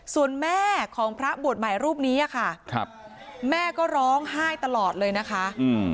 ส่วนแม่ของพระบวชใหม่รูปนี้ค่ะครับแม่ก็ร้องไห้ตลอดเลยนะคะอืม